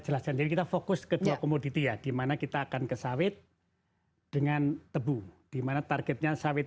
jelaskan jadi kita fokus kedua komoditi ya dimana kita akan ke sawit dengan tebu dimana targetnya sawit